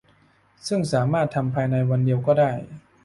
ซึ่งสามารถทำภายในวันเดียวก็ได้